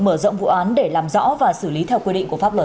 mở rộng vụ án để làm rõ và xử lý theo quy định của pháp luật